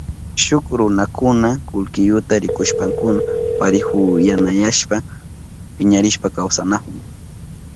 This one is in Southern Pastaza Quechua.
Shuk runakuna kullkiyuta rikushpankuna parihuyanayashpa piñarishpa kawsanahun.